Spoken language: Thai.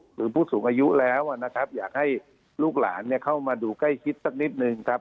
หรือผู้สูงอายุแล้วนะครับอยากให้ลูกหลานเข้ามาดูใกล้ชิดสักนิดนึงครับ